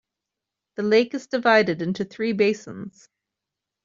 The lake is divided into three basins.